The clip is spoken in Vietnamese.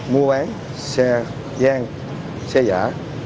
mua bán xe gian xe giả